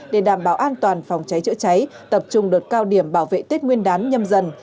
để đảm bảo an toàn phòng cháy chữa cháy tập trung đợt cao điểm bảo vệ tết nguyên đán nhâm dần